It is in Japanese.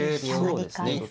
そうですね。